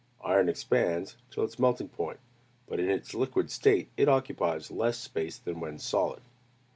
Iron expands, till its melting point; but in its liquid state it occupies less space than when solid.